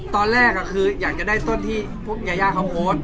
ตอนแรกคืออยากจะได้ต้นที่พวกยายาเขาโพสต์